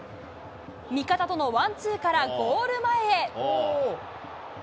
味方とのワンツーからゴール前へ。